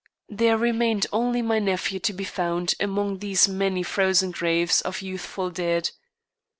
There remained only my nephew to be found among these many frozen graves of youthful dead.